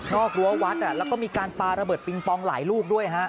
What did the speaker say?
กรั้ววัดแล้วก็มีการปาระเบิดปิงปองหลายลูกด้วย